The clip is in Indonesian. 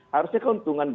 harusnya keuntungan bpk